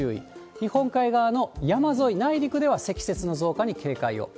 日本海側の山沿い、内陸では積雪の増加に警戒を。